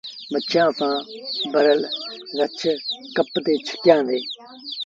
مڇيٚآنٚ سآݩٚ ڀرل رڇ ڪپ تي ڇڪيآندي۔